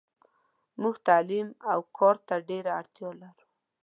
موږ تعلیم اوکارته ډیره اړتیالرو .